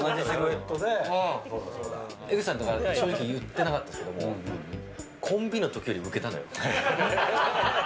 江口さん、だから正直言ってなかったですけどコンビの時よりウケたのよ。